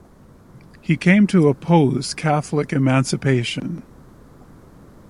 He came to oppose Catholic emancipation.